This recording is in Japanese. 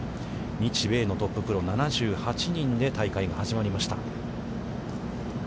日米のトッププロ７８人で大会が始まりました。